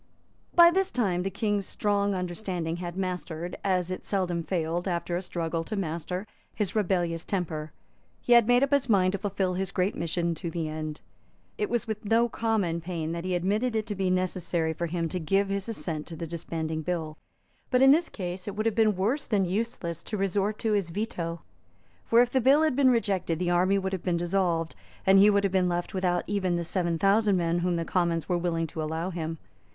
By this time the King's strong understanding had mastered, as it seldom failed, after a struggle, to master, his rebellious temper. He had made up his mind to fulfil his great mission to the end. It was with no common pain that he admitted it to be necessary for him to give his assent to the disbanding bill. But in this case it would have been worse than useless to resort to his veto. For, if the bill had been rejected, the army would have been dissolved, and he would have been left without even the seven thousand men whom the Commons were willing to allow him.